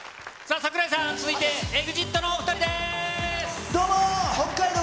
櫻井さん、続いてＥＸＩＴのお２人です。